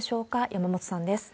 山本さんです。